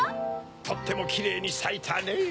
とってもキレイにさいたねぇ。